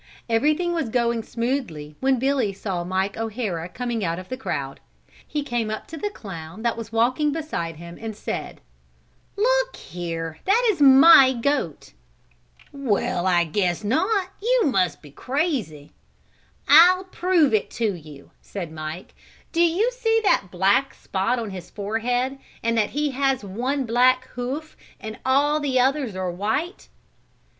Everything was going smoothly when Billy saw Mike O'Hara coming out of the crowd; he came up to the clown that was walking beside him and said: "Look here, that is my goat!" "Well, I guess not, you must be crazy." "I'll prove it to you," said Mike. "Do you see that black spot on his forehead and that he has one black hoof and all the others are white?"